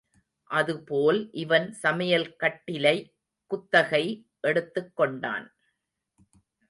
அது போல் இவன் சமையல்கட்டிலைக் குத்தகை எடுத்துக் கொண்டான்.